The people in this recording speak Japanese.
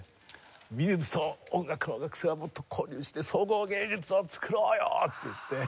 美術と音楽の学生はもっと交流して総合芸術を作ろうよ！っていって。